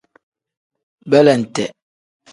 Belente.